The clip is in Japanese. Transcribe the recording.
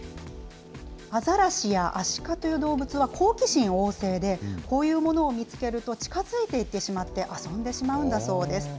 アザラシやアシカという動物は好奇心旺盛で、こういうものを見つけると近づいていってしまって、遊んでしまうんだそうです。